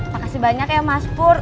makasih banyak ya mas pur